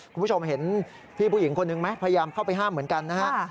คุณผู้ชมเห็นพี่ผู้หญิงคนหนึ่งไหมพยายามเข้าไปห้ามเหมือนกันนะฮะ